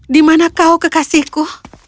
di mana kau kekasihku